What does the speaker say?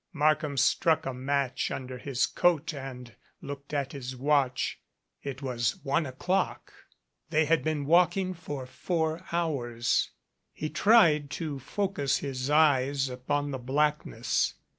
Markham struck a match under his coat and looked at his watch. It was one o'clock. They had been walking for four hours. He tried to focus his eyes upon the blackness.